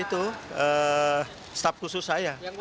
itu staf khusus saya